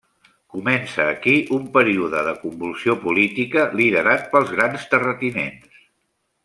Comença aquí un període de convulsió política, liderat pels grans terratinents.